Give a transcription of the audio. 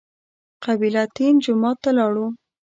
قبله تین جومات ته لاړو.